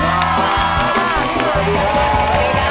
สวัสดีครับ